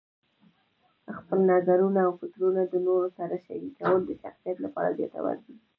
خپل نظرونه او فکرونه د نورو سره شریکول د شخصیت لپاره ګټور دي.